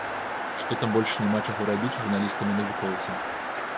Што там больш няма чаго рабіць журналістам і навукоўцам.